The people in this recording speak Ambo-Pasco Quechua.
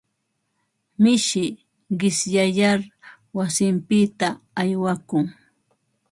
Mishi qishyayar wasinpita aywakun.